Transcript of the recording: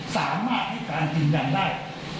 สามารถให้การยืนยันได้